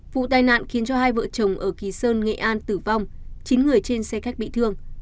vụ tai nạn khiến cho hai vợ chồng ở kỳ sơn nghệ an tử vong chín người trên xe khách bị thương